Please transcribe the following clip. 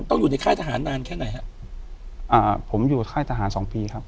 อยู่ในค่ายทหารนานแค่ไหนฮะอ่าผมอยู่ค่ายทหารสองปีครับ